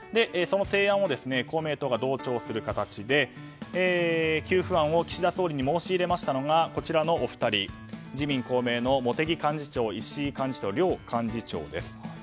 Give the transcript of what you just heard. その提案を公明党が同調する形で給付案を岸田総理に申し入れましたのがこちらのお二人自民・公明の茂木幹事長石井幹事長の両幹事長です。